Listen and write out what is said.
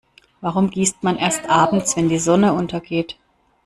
Warum gießt man erst abends, wenn die Sonne untergeht?